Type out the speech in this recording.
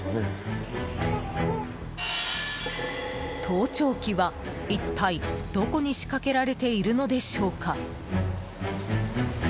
盗聴器は、一体どこに仕掛けられているのでしょうか？